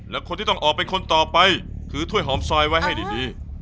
และคนที่ต้องออกเป็นคนต่อไปถือถ้วยหอมซอยไว้ให้ดี